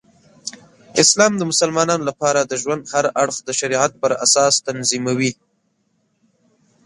اسلام د مسلمانانو لپاره د ژوند هر اړخ د شریعت پراساس تنظیموي.